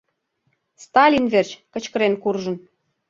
Сталин верч!» кычкырен куржын.